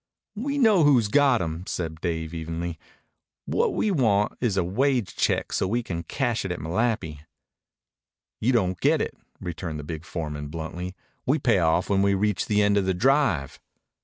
"We know who's got 'em," said Dave evenly. "What we want is a wage check so as we can cash it at Malapi." "You don't get it," returned the big foreman bluntly. "We pay off when we reach the end of the drive."